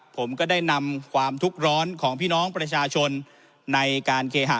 ผมก็ได้นำความทุกข์ร้อนของพี่น้องประชาชนในการเคหะ